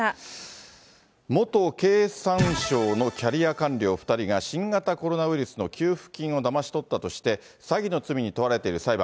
元経産省のキャリア官僚２人が、新型コロナウイルスの給付金をだまし取ったとして、詐欺の罪に問われている裁判。